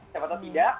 siapa tahu tidak